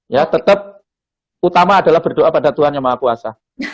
ya tetap utama adalah berdoa pada tuhan yang maha kuasa